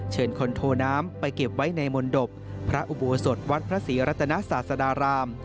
คนโทน้ำไปเก็บไว้ในมนตบพระอุโบสถวัดพระศรีรัตนศาสดาราม